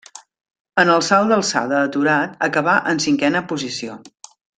En el salt d'alçada aturat acabà en cinquena posició.